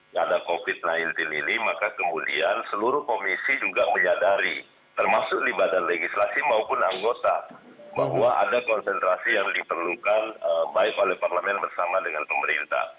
nah ada covid sembilan belas ini maka kemudian seluruh komisi juga menyadari termasuk di badan legislasi maupun anggota bahwa ada konsentrasi yang diperlukan baik oleh parlemen bersama dengan pemerintah